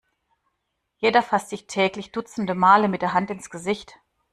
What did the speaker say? Jeder fasst sich täglich dutzende Male mit der Hand ins Gesicht.